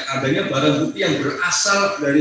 adanya barang bukti yang berasal dari